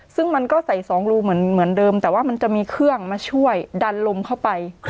ซึ่งมันก็ใส่๒รูเหมือนเดิมแต่ว่ามันจะมีเครื่องมาช่วยดันลมเข้าไป